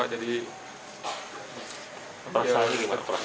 perasaan ini pak